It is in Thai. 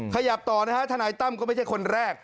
ขยับต่อนะฮะทนายตั้มก็ไม่ใช่คนแรก